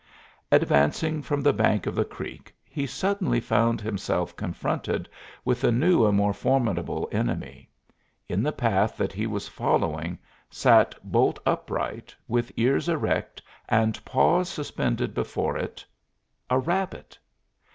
Advancing from the bank of the creek he suddenly found himself confronted with a new and more formidable enemy: in the path that he was following, sat, bolt upright, with ears erect and paws suspended before it, a rabbit!